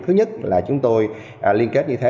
thứ nhất là chúng tôi liên kết như thế